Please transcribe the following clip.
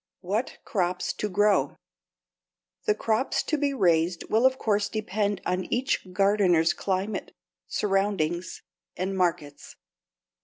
=What Crops to grow.= The crops to be raised will of course depend upon each gardener's climate, surroundings, and markets.